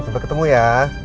sampai ketemu ya